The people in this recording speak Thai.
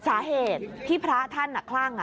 อ่าอ่าอ่าอ่าอ่า